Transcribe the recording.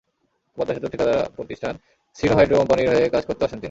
পদ্মা সেতুর ঠিকাদারি প্রতিষ্ঠান সিনো হাইড্রো কোম্পানির হয়ে কাজ করতে আসেন তিনি।